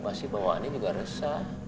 pasti bawaannya juga resah